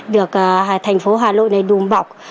được thành phố hà nội này đùm bọc